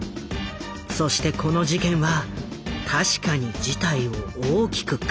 そしてこの事件は確かに事態を大きく変える。